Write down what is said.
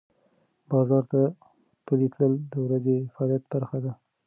بازار ته پلي تلل د ورځې فعالیت برخه ده.